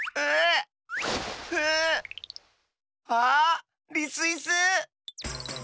あリスイス！